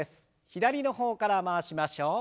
左の方から回しましょう。